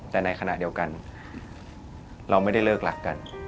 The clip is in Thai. แต่ในขณะเดียวกันเราไม่ได้เลิกรักกัน